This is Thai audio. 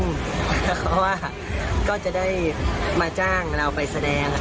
เพราะว่าจะได้มาจ้างเราไปแสดง